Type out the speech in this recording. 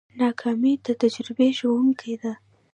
ناکامي د تجربې ښوونکې ده.